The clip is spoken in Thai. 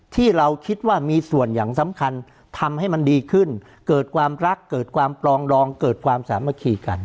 ที่เราคิดว่ามีส่วนอย่างสำคัญทำให้มันดีขึ้นเกิดความรักเกิดความปลองดองเกิดความสามัคคีกัน